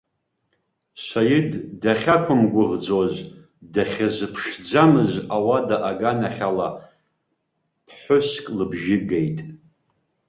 Саид дахьақәымгәыӷӡоз, дахьазыԥшӡамыз ауада аганахьала ԥҳәыск лыбжьы геит.